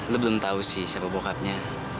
lo belum tahu sih siapa bokapnya